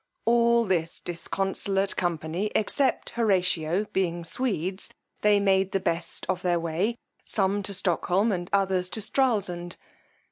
All this disconsolate company, except Horatio, being Swedes', they made the best of their way, some to Stockholm, and others to Straelsund.